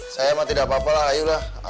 saya mah tidak apa apa lah ayo lah